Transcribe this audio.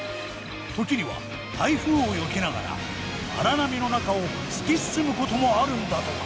時には台風をよけながら荒波の中を突き進むこともあるんだとか。